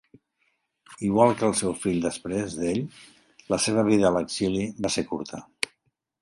Igual que el seu fill després d'ell, la seva vida a l'exili va ser curta.